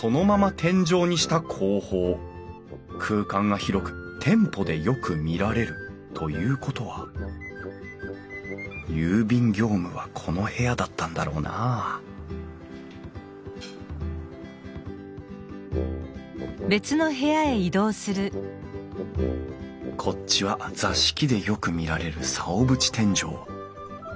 空間が広く店舗でよく見られる。ということは郵便業務はこの部屋だったんだろうなあこっちは座敷でよく見られる竿縁天井。